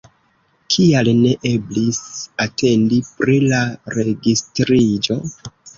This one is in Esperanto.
Kial ne eblis atendi pri la registriĝo?